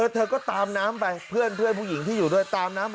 เธอก็ตามน้ำไปเพื่อนผู้หญิงที่อยู่ด้วยตามน้ำ